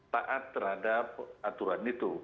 taat terhadap aturan itu